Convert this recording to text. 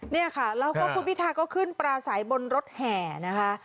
นี่ค่ะแล้วพวกคุณพิทธาก็ขึ้นปลาสายบนรถแห่นะคะ